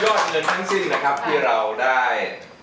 เงินทั้งสิ้นนะครับที่เราได้